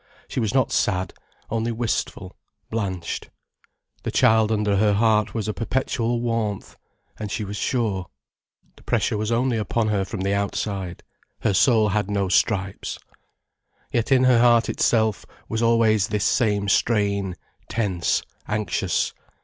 She was not sad, only wistful, blanched. The child under her heart was a perpetual warmth. And she was sure. The pressure was only upon her from the outside, her soul had no stripes. Yet in her heart itself was always this same strain, tense, anxious.